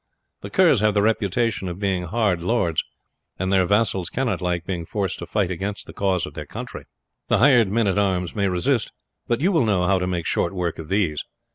The Kerrs have the reputation of being hard lords, and their vassals cannot like being forced to fight against the cause of their country. The hired men at arms may resist, but you will know how to make short work of these.